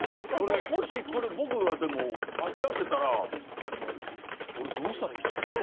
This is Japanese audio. もしこれ僕がでも間違ってたら俺どうしたらいいですか？